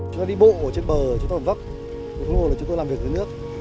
chúng tôi đi bộ ở trên bờ chúng tôi làm vấp chúng tôi làm việc dưới nước